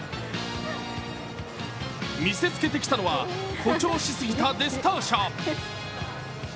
見せつけてきたのは誇張しすぎたデスターシャ。